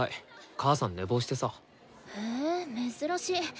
母さん寝坊してさ。へ珍しい。